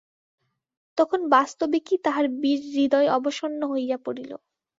তখন বাস্তবিকই তাঁহার বীরহৃদয় অবসন্ন হইয়া পড়িল।